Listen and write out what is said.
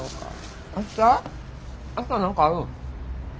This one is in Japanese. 明日何かあるん？